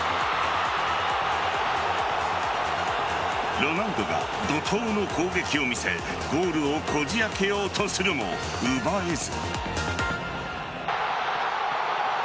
ロナウドが怒涛の攻撃を見せゴールをこじ開けようとするも奪えず。